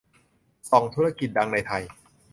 ส่องธุรกิจดังในไทย